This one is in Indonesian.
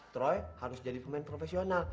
troy harus jadi pemain profesional